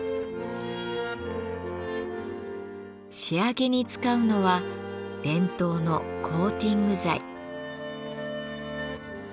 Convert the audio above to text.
仕上げに使うのは伝統のコーティング剤。